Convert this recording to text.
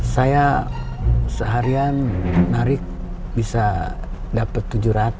saya seharian narik bisa dapat tujuh ratus